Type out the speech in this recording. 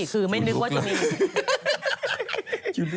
คือไม่นึกว่าจะมี